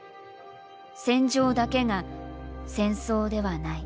戦場だけが戦争ではない。